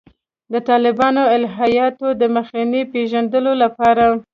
د طالباني الهیاتو د مخینې پېژندلو لپاره.